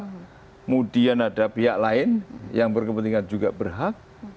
kemudian ada pihak lain yang berkepentingan juga berhak